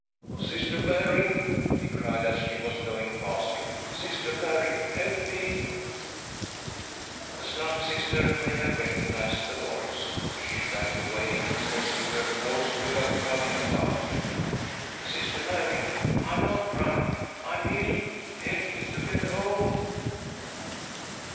" Sister Mary 1 " he cried, as she was going past him. "Sister Mary, help me 1" The Slum Sister may have recognised the voice. —_ h t~ 184 THY SOUL SHALL BEAR WITNESS! She shrank away and pursued her course without troubling about him. '" Sister Mary, I am not drunk. I am ill ! Help me to get home."